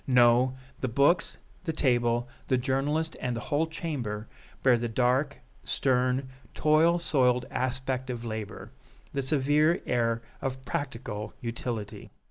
No, the books, the table, the journalist and the whole chamber bear the dark, stern, toil soiled aspect of labor, the severe air of practical utility.